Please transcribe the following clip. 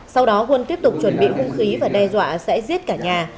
sau đó quân tiếp tục chuẩn bị hung khí và đe dọa sẽ giết cả nhà